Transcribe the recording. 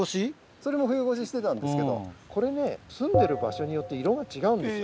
それも冬越ししてたんですけどこれねすんでる場所によって色が違うんですよ。